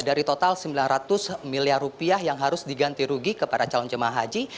dari total sembilan ratus miliar rupiah yang harus diganti rugi kepada calon jemaah haji